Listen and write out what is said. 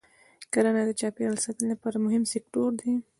کرنه د چاپېریال د ساتنې لپاره مهم سکتور دی.